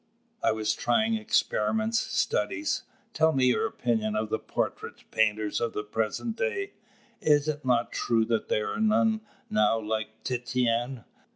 I was trying experiments, studies." "Tell me your opinion of the portrait painters of the present day. Is it not true that there are none now like Titian?